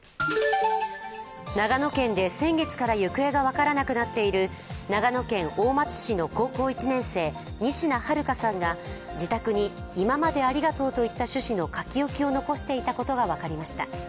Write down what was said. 長野県で先月から行方が分からなくなっている長野県大町市の高校１年生、仁科日花さんが自宅に「今までありがとう」といった趣旨の書き置きを残していたことが分かりました。